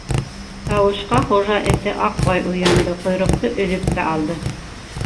Тауышҡа хужа эте Аҡбай уянды, ҡойроҡто өҙөп тә алды.